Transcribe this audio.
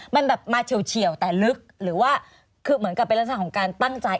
มันแบบมาเฉียวแต่ลึกหรือว่าคือเหมือนกับเป็นลักษณะของการตั้งใจ